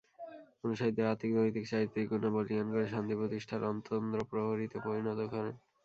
অনুসারীদের আত্মিক, নৈতিক, চারিত্রিক গুণে বলীয়ান করে শান্তি প্রতিষ্ঠার অতন্দ্রপ্রহরীতে পরিণত করেন।